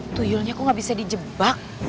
tuyulnya kok gak bisa dijebak